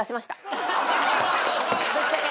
ぶっちゃけ。